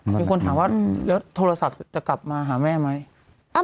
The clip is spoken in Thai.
มีคนถามว่าแล้วโทรศัพท์จะกลับมาหาแม่ไหม